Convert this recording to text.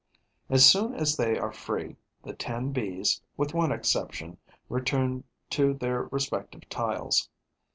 As soon as they are free, the ten Bees, with one exception, return to their respective tiles.